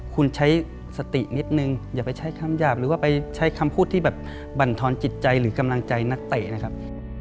คุณใช้สตินิดนึงอย่าไปใช้คำหยาบหรือว่าไปใช้คำพูดที่แบบบรรทอนจิตใจหรือกำลังใจนักเตะนะครับ